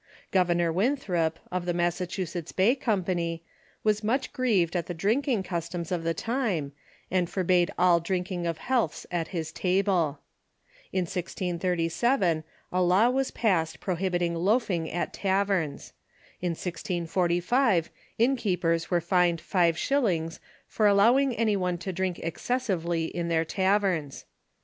Governor \v inthrop, 01 the Massachusetts Bay Company, Avas much grieved at tlie drinking customs of the time, and forbade all drinking of healths at his table. In 1637 a law Avas passed prohibiting loafing at taverns. In 1G45 innkeepers were fined five shil lings for allowing any one to drink excessively in their taverns.